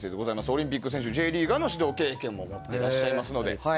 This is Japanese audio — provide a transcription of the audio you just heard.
オリンピック選手Ｊリーガーの指導経験も持っていらっしゃいます。